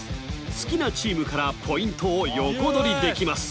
好きなチームからポイントを横取りできます